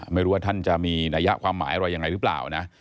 ไม่รู้ว่าท่านจะมีนัยะความหมายอะไรยังไงหรือเปล่านะ